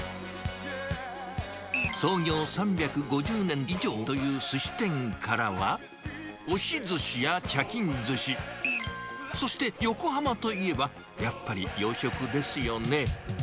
創業３５０年以上というすし店からは、押しずしや茶巾ずし、そして、横浜といえば、やっぱり洋食ですよね。